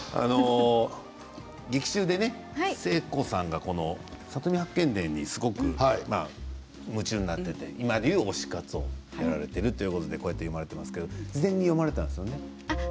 劇中で寿恵子さんが「里見八犬伝」に夢中になっていて今でいう推し活をやられているということで読まれていますけれども事前に読んだんですよね。